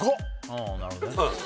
うんなるほどね